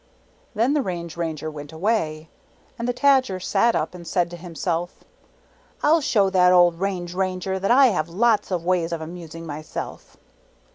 Then the Range Ranger went away; and the Tadger sat up and said to himself, " PH show that old Range Ranger that I have lots of ways of amusing myself!"